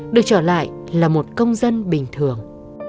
được trở lại là một công dân bình thường